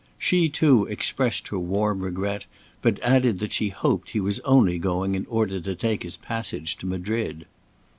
She too expressed her warm regret, but added that she hoped he was only going in order to take his passage to Madrid.